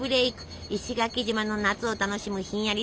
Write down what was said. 石垣島の夏を楽しむひんやり